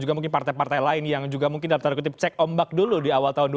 juga mungkin partai partai lain yang juga mungkin daripada kutip cek ombak dulu di awal tahun ini